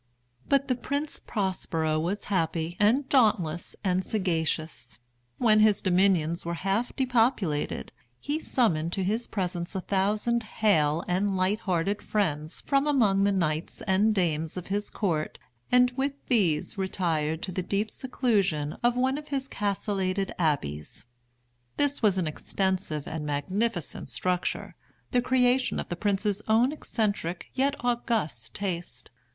But the Prince Prospero was happy and dauntless and sagacious. When his dominions were half depopulated, he summoned to his presence a thousand hale and light hearted friends from among the knights and dames of his court, and with these retired to the deep seclusion of one of his castellated abbeys. This was an extensive and magnificent structure, the creation of the prince's own eccentric yet august taste.